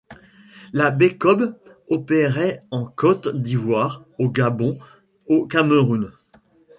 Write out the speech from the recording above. La Becob opérait en Côte d'Ivoire, au Gabon, au Cameroun.